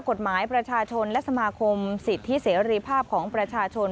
เพื่อกฎหมายประชาชนและสมาคมสิทธิเสรีภาพของประชาชน